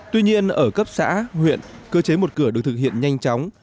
tuy nhiên ở cấp xã huyện cơ chế một cửa được thực hiện nhanh chóng